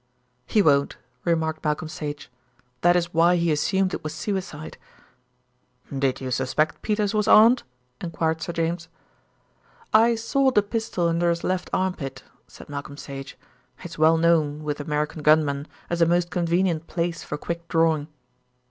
"He won't," remarked Malcolm Sage; "that is why he assumed it was suicide." "Did you suspect Peters was armed?" enquired Sir James. "I saw the pistol under his left armpit," said Malcolm Sage. "It's well known with American gunmen as a most convenient place for quick drawing."